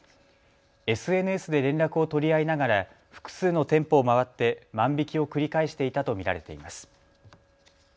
ＳＮＳで連絡を取り合いながら複数の店舗を回って万引きを繰り返していたと見られています。